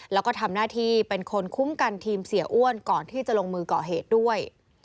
แล้วก็ทำหน้าที่เป็นคนคุ้มกันทีมเสียอ้วนก่อนที่จะลงมือก่อเหตุด้วย